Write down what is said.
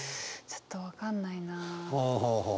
ちょっと分かんないな。